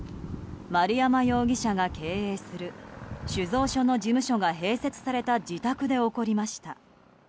丸山容疑者が経営する酒造所の事務所が併設された自宅で起こりました。